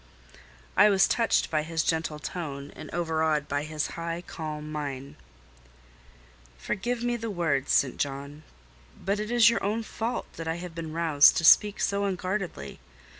I was touched by his gentle tone, and overawed by his high, calm mien. "Forgive me the words, St. John; but it is your own fault that I have been roused to speak so unguardedly.